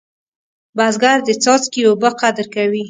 بزګر د څاڅکي اوبه قدر کوي